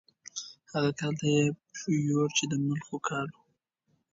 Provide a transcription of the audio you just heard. هغه کال ته یې یوړ چې د ملخو کال و.